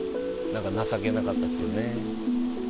なんか情けなかったですよね。